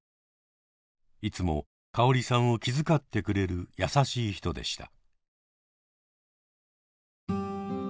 いつもかおりさんを気遣ってくれる優しい人でした。